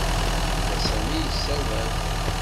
Yebda Sami yessawal.